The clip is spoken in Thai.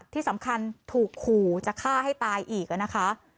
ที่สำคัญถูกขู่จะฆ่าให้ตายอีกนะคะ